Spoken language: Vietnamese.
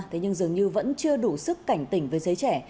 thế nhưng dường như vẫn chưa đủ sức cảnh tỉnh với giới trẻ